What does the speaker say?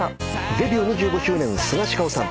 デビュー２５周年スガシカオさん。